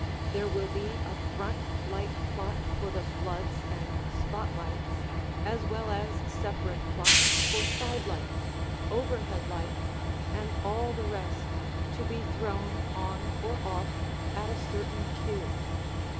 There will be a front light plot for the "floods" and "spot lights" as well as separate plots for side lights, overhead lights, and all the rest, to be thrown on or off at a certain cue.